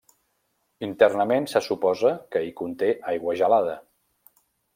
Internament se suposa que hi conté aigua gelada.